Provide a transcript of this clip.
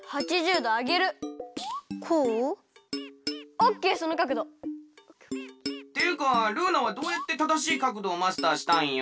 オッケーそのかくど！っていうかルーナはどうやってただしいかくどをマスターしたんよ？